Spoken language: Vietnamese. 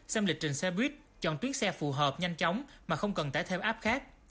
xem lịch trình xe buýt chọn tuyến xe phù hợp nhanh chóng mà không cần tải theo app khác